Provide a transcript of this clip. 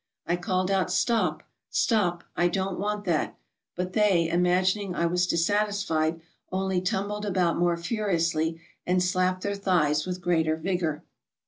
I called out, "Stop, stop ; I don't want that ;" but they, imagining I was dis satisfied, only tumbled about more furiously, and slapped their thighs with greater vigor.